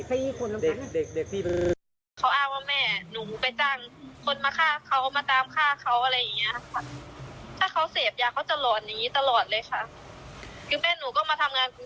อันนี้ก็มาเก็บโศพเลยอันนี้เขาจะปัดเพราะเขาก็ชาปบดีเขามีดสี่ของแม่นทำร้ายร่างกายด้วย